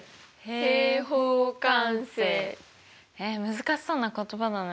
難しそうな言葉だね。